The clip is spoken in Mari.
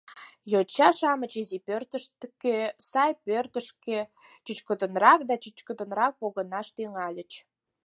Йоча-шамыч «изи пӧртышкӧ, сай пӧртышкӧ» чӱчкыдынрак да чӱчкыдынрак погынаш тӱҥальыч.